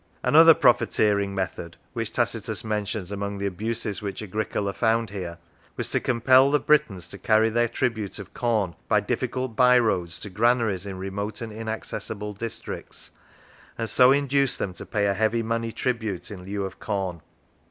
Another profiteering method which Tacitus mentions among the abuses which Agricola found here, was to compel the Britons to carry their tribute of corn by difficult by roads to granaries in remote and inaccessible districts, and so induce them to pay a heavy money tribute in lieu of corn.